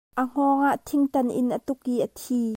A hngawng ah thingtan in a tuk i a thi.